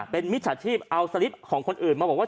เป็นมิจฉาชีพเอาสลิปของคนอื่นมาบอกว่า